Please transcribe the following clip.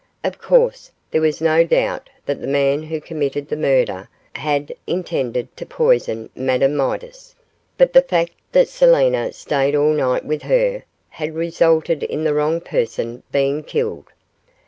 Of course, there was no doubt that the man who committed the murder had intended to poison Madame Midas, but the fact that Selina stayed all night with her, had resulted in the wrong person being killed.